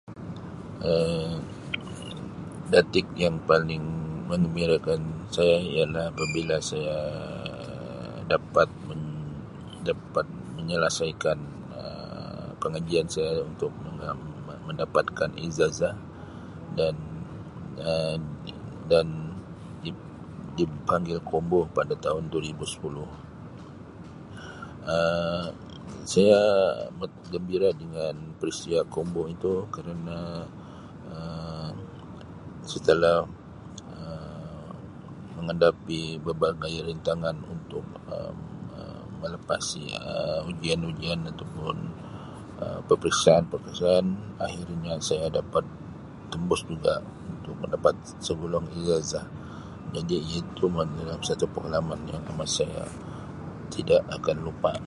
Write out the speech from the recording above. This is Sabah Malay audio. Um Detik yang paling menggembirakan saya ialah apabila saya dapat men Um dapat menyelasaikan Um pengajian saya Um untuk men mendapatkan ijazah dan dan dan dip-dip-dipanggil Konvo pada tahun dua ribu sepuluh Um saya amat gembira dengan peristiwa Konvo itu kerana Um setelah Um menghadapi berbagai rintangan untuk Um melepasi Um ujian-ujian atau pun Um peperiksaan-peperiksaan akhirnya saya dapat tembus juga untuk mendapat segulung ijazah jadi itu [unintelligible] satu pengalaman yang amat saya tidak akan lupa.